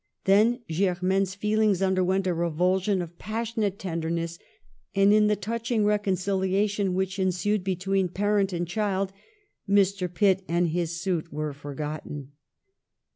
Then Germaine's feelings underwent a revulsion of passionate tenderness; and in the touching reconciliation which ensued between parent and child, Mr. Pitt and his suit were forgotten.